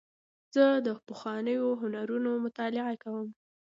زه د پخوانیو هنرونو مطالعه کوم.